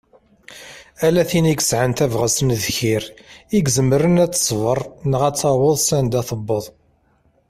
Ala tin yesɛan tabɣest n ddkir i izmren ad tesber neɣ ad taweḍ s anda tewwḍeḍ.